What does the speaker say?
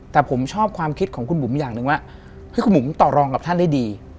แต่ผมชอบความคิดของคุณบุ๋มอย่างหนึ่งว่าเฮ้ยคุณบุ๋มต่อรองกับท่านได้ดี